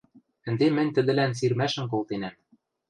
Ӹнде мӹнь тӹдӹлӓн сирмӓшӹм колтенӓм.